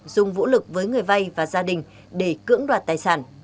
dùng vũ lực với người vay và gia đình để cưỡng đoạt tài sản